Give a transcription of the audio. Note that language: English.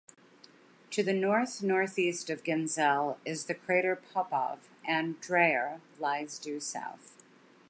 To the north-northeast of Ginzel is the crater Popov, and Dreyer lies due south.